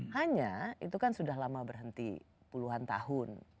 hanya itu kan sudah lama berhenti puluhan tahun